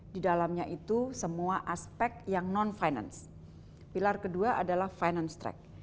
di dalamnya itu semua aspek yang non finance pilar kedua adalah finance track